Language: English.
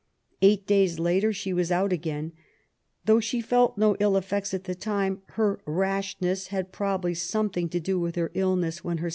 Eight days later she was out again. 'Though she felt no ill efiects at the time, her rashness had probably something to do with her illness when her